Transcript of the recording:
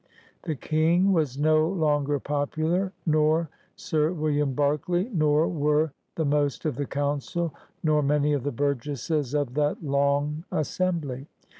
The King was no longer popular, nor Sir William Berkeley, nor were the most of the Council, nor many of the burgesses of that Long Assembly.